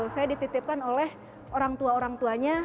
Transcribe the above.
saya dititipkan oleh orang tua orang tuanya